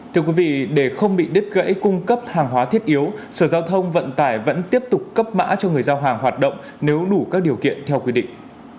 thưa quý vị để không bị đứt gãy cung cấp hàng hóa thiết yếu sở giao thông vận tải vẫn tiếp tục cấp mã cho người giao hàng hoạt động nếu đủ các điều kiện theo quy định